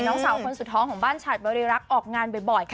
น้องสาวคนสุดท้องของบ้านฉาดบริรักษ์ออกงานบ่อยค่ะ